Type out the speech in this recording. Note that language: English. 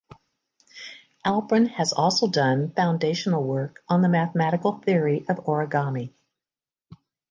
Alperin has also done foundational work on the mathematical theory of origami.